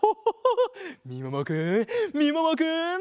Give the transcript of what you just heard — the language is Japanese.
みももくんみももくん！